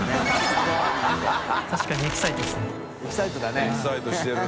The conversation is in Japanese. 確かにエキサイトですね。┘